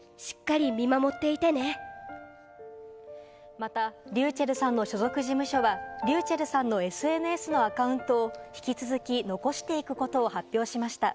またｒｙｕｃｈｅｌｌさんの所属事務所は、ｒｙｕｃｈｅｌｌさんのＳＮＳのアカウントを引き続き残していくことを発表しました。